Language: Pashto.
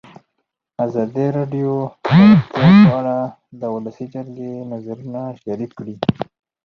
ازادي راډیو د روغتیا په اړه د ولسي جرګې نظرونه شریک کړي.